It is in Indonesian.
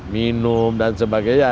minum dan sebagainya